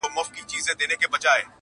ما پر سترګو د ټولواک امر منلی!.